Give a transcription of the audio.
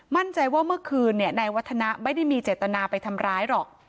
มั่นใจว่าเมื่อคืนนายวัฒนะไม่ได้มีเจตนาไปทำร้ายหรอก